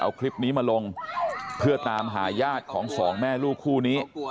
เอาคลิปนี้มาลงเพื่อตามหาญาติของสองแม่ลูกคู่นี้